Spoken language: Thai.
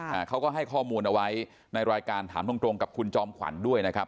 อ่าเขาก็ให้ข้อมูลเอาไว้ในรายการถามตรงตรงกับคุณจอมขวัญด้วยนะครับ